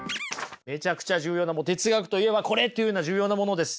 めちゃくちゃ重要なもの哲学といえばこれというような重要なものです。